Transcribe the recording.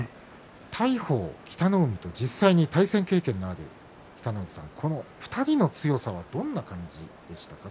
大鵬、北の湖と実際に対戦経験のある北の富士さん２人の強さはどんな感じでしたか